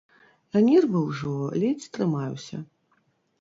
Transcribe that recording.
А нервы ўжо, ледзь трымаюся.